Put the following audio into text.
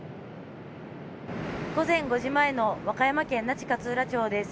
午前５時前の和歌山県那智勝浦町です。